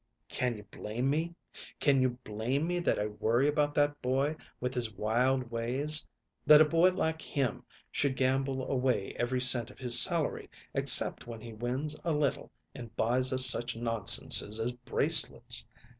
"Can you blame me? Can you blame me that I worry about that boy, with his wild ways? That a boy like him should gamble away every cent of his salary, except when he wins a little and buys us such nonsenses as bracelets!